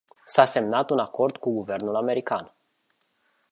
S-a semnat un acord cu guvernul american.